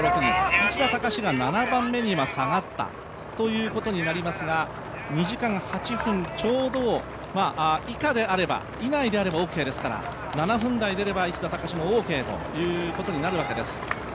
市田孝が今、７番目に下がったということになりますが、２時間８分以内であればオーケーですから、７分台出れば、市田孝もオーケーということになるわけです。